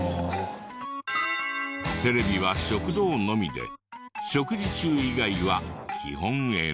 テレビは食堂のみで食事中以外は基本ＮＧ。